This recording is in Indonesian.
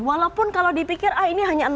walaupun kalau dipikir oh ini hanya